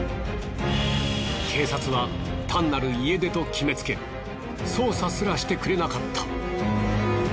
警察は単なる家出と決めつけ捜査すらしてくれなかった。